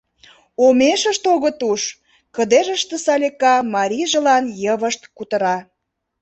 Омешышт огыт уж! — кыдежыште Салика марийжылан йывышт кутыра.